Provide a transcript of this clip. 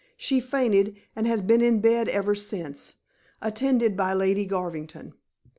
She fainted and has been in bed ever since, attended by Lady Garvington."